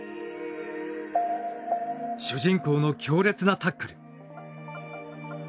主人公の強烈なタックル。